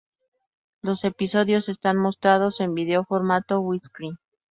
Los episodios están mostrados en video formato Widescreen.